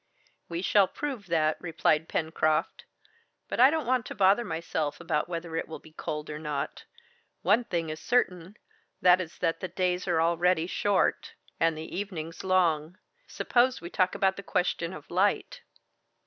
"We shall prove that," replied Pencroft. "But I don't want to bother myself about whether it will be cold or not. One thing is certain, that is that the days are already short, and the evenings long. Suppose we talk about the question of light."